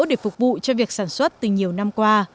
để phục vụ cho việc sản xuất từ nhiều năm qua